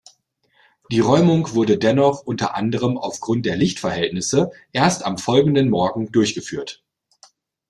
Die Räumung wurde dennoch, unter anderem aufgrund der Lichtverhältnisse, erst am folgenden Morgen durchgeführt.